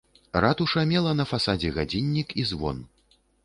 Ратуша мела на фасадзе гадзіннік і звон.